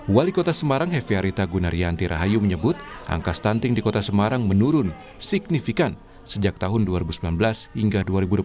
wali kota semarang hefe arita gunaryanti rahayu menyebut angka stunting di kota semarang menurun signifikan sejak tahun dua ribu sembilan belas hingga dua ribu dua puluh satu